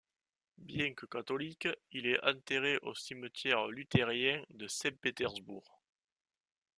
Bien que catholique, il est enterré au cimetière luthérien de Saint-Pétersbourg.